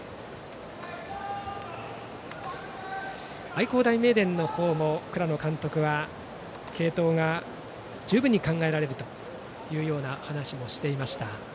愛工大名電の方の倉野監督は継投が十分に考えられるという話もしていました。